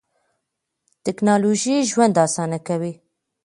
تکنالوژي ژوند آسانه کوي.